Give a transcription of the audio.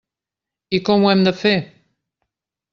I com ho hem de fer?